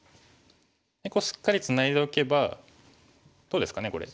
ここしっかりツナいでおけばどうですかねこれ。